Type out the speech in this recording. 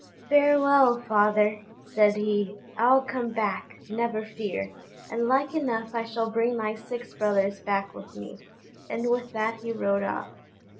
"Farewell, father," said he; "I'll come back, never fear, and like enough I shall bring my six brothers back with me;" and with that he rode off.